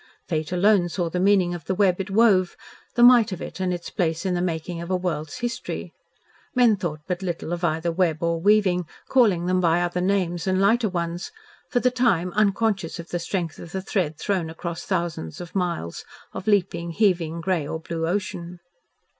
Fate alone saw the meaning of the web it wove, the might of it, and its place in the making of a world's history. Men thought but little of either web or weaving, calling them by other names and lighter ones, for the time unconscious of the strength of the thread thrown across thousands of miles of leaping, heaving, grey or blue ocean.